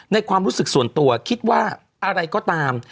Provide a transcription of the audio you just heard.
ความรู้สึกส่วนตัวคิดว่าอะไรก็ตาม